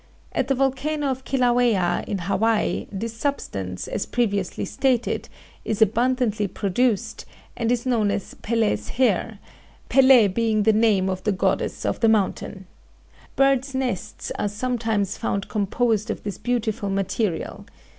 At the volcano of Kilauea in Hawaii, this substance, as previously stated, is abundantly produced, and is known as 'Pele's Hair' Pele being the name of the goddess of the mountain. Birds' nests are sometimes found composed of this beautiful material.